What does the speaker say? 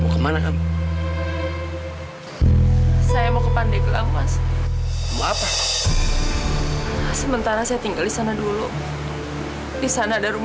kamu jangan jalanin aku